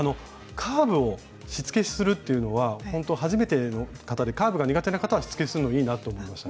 カーブをしつけするっていうのはほんと初めての方でカーブが苦手な方はしつけするのいいなと思いました。